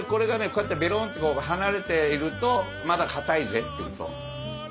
こうやってベローンと離れているとまだかたいぜってこと。